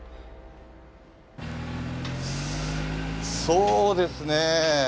そうですね。